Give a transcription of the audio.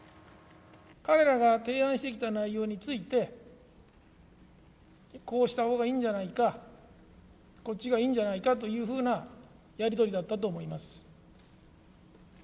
彼らが提案してきた内容について、こうしたほうがいいんじゃないか、こっちがいいんじゃないかというふうなやり取りだったと思います。